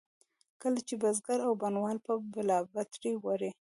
کله چې بزګر او بڼوال به بلابترې وړې.